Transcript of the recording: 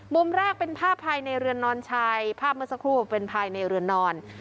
มุมแรกเป็นภาพภายในเรือนนอนชัยภาพเมื่อสักครู่เป็นภายในเรือนนอน